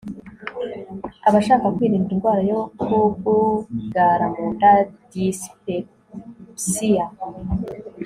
Abashaka kwirinda indwara yo kugugara mu nda dyspepsia